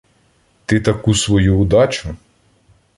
Ти таку свою удачу